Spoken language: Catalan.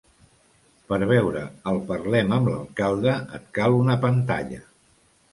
Per veure el Parlem amb l'alcalde, et cal una pantalla.